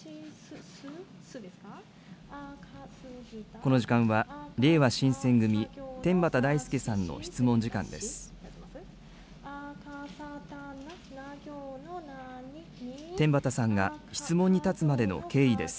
この時間は、れいわ新選組、天畠大輔さんの質問時間です。